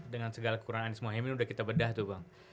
dengan segala kurangan anies mohaimin sudah kita bedah tuh